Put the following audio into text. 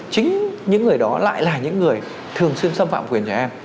chính những người đó lại là những người thường xuyên xâm phạm quyền trẻ em